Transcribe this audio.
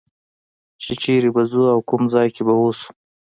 چې چېرې به ځو او کوم ځای کې به اوسو.